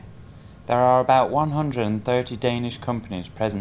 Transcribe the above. có khoảng một trăm ba mươi doanh nghiệp đan mạch đang có mặt tại việt nam